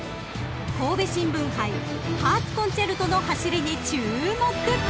［神戸新聞杯ハーツコンチェルトの走りに注目！］